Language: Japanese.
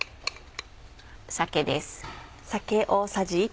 酒です。